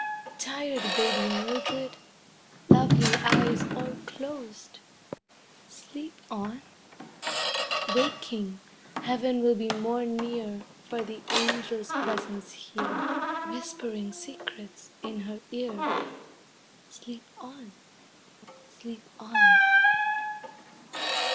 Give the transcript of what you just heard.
Tired baby Mildred, lovely eyes all closed Sleep on! Waking, heaven will be more near For the angels' presence here, Whispering secrets in her ear Sleep on! Sleep on!